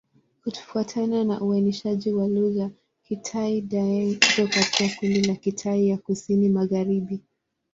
Kufuatana na uainishaji wa lugha, Kitai-Daeng iko katika kundi la Kitai ya Kusini-Magharibi.